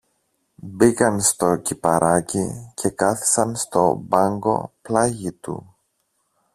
Μπήκαν στο κηπαράκι και κάθισαν στον μπάγκο πλάγι του.